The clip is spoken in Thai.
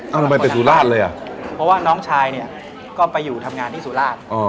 เอาทำไมไปสุราชเลยอ่ะเพราะว่าน้องชายเนี่ยก็ไปอยู่ทำงานที่สุราช